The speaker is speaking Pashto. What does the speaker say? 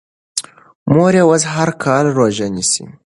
مور یې اوس هر کال روژه نیسي.